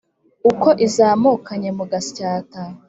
Uko izamukanye mu Gasyata